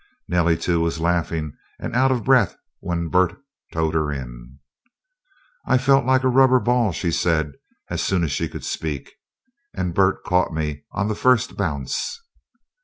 Nellie, too, was laughing and out of breath when Bert towed her in. "I felt like a rubber ball," she said, as soon as she could speak, "and Bert caught me on the first bounce."